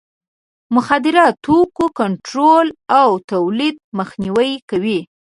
د مخدره توکو کنټرول او تولید مخنیوی کوي.